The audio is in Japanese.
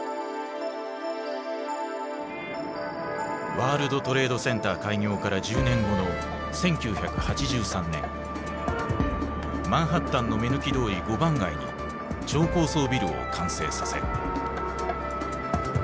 ワールドトレードセンター開業から１０年後の１９８３年マンハッタンの目抜き通り五番街に超高層ビルを完成させる。